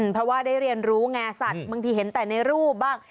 เพราะว่าได้เรียนรู้ไงสัตว์บางทีเห็นแต่ในรูปบ้าง